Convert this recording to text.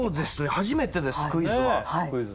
初めてですクイズはクイズ